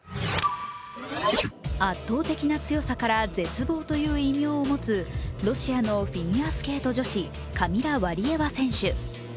圧倒的な強さから「絶望」という異名を持つロシアのフィギュアスケート女子、カミラ・ワリエワ選手。